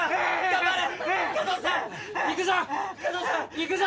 頑張れ！